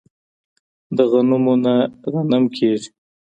د غنمو نه غنم کيږي.